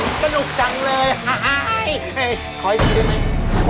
ขออีกทีได้ไหม